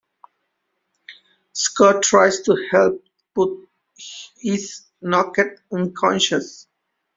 Scott tries to help, but is knocked unconscious.